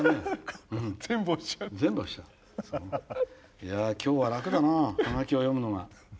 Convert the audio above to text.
いや今日は楽だなあハガキを読むのが。